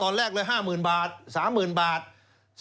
เก็บทางเดียวก็เลยตอนแรกเลย๕๐๐๐๐บาท๓๐๐๐๐บาท